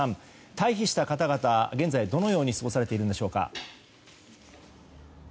退避した方々、現在どのように過ごされているんでしょうか。